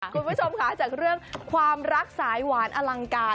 คุณผู้ชมค่ะจากเรื่องความรักสายหวานอลังการ